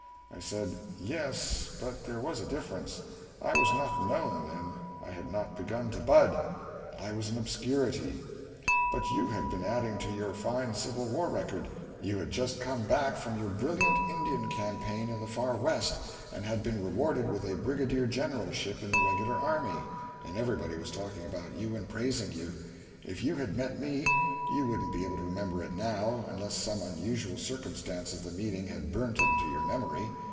I said, "Yes, but there was a difference; I was not known then; I had not begun to bud I was an obscurity; but you had been adding to your fine Civil War record; you had just come back from your brilliant Indian campaign in the Far West, and had been rewarded with a brigadier generalship in the regular army, and everybody was talking about you and praising you. If you had met me, you wouldn't be able to remember it now unless some unusual circumstance of the meeting had burnt it into your memory.